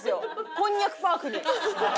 こんにゃくパークに。